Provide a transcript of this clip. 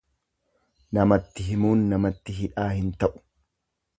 Namatti himuun namatti hidhaa hin ta'u.